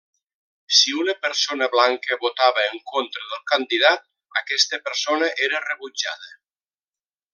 Si una persona blanca votava en contra del candidat, aquesta persona era rebutjada.